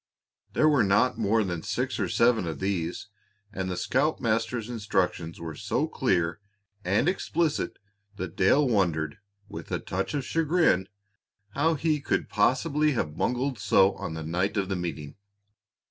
There were not more than six or seven of these, and the scoutmaster's instructions were so clear and explicit that Dale wondered, with a touch of chagrin, how he could possibly have bungled so on the night of the meeting.